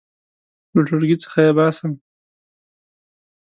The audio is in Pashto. • له ټولګي څخه یې باسم.